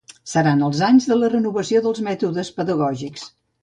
Seran els anys de la renovació dels mètodes pedagògics.